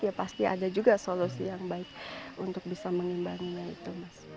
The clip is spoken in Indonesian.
ya pasti ada juga solusi yang baik untuk bisa mengimbanginya itu mas